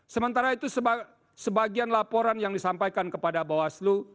sementara itu sebagian laporan yang disampaikan kepada bawaslu